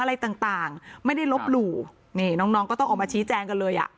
อะไรต่างต่างไม่ได้ลบหลู่นี่น้องน้องก็ต้องออกมาชี้แจงกันเลยอ่ะ